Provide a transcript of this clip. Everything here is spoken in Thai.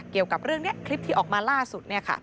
เกี่ยวกับเรื่องนี้คลิปที่ออกมาล่าสุด